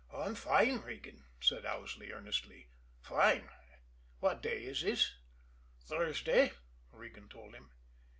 "I'm fine, Regan," said Owsley earnestly. "Fine! What day is this?" "Thursday," Regan told him.